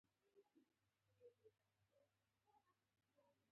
د فراه په پرچمن کې کوم کان دی؟